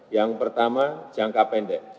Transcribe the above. yang pertama jangka pendek